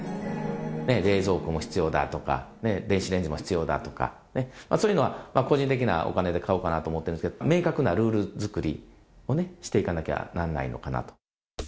冷蔵庫も必要だとか、電子レンジも必要だとか、そういうのは個人的なお金で買おうかなと思ってるんですけど、明確なルール作りをね、していかなきゃならないのかなと。